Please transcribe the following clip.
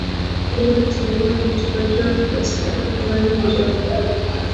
Kilele cha Mlima Mtorwi hupatikana mkoani Njombe